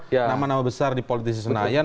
nama nama besar di politisi senayan